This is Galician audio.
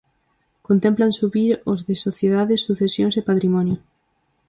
Contemplan subir os de sociedades, sucesións e patrimonio.